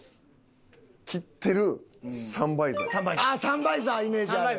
あっサンバイザーイメージある。